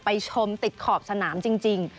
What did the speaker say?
ชมติดขอบสนามจริง